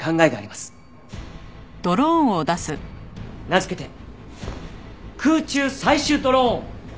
名付けて空中採取ドローン！